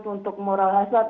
untuk moral hasrat